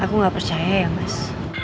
aku nggak percaya ya mas